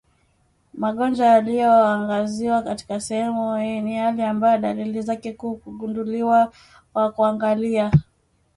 Magonjwa yaliyoangaziwa katika sehemu hii ni yale ambayo dalili zake kuu hugunduliwa kwa kuangalia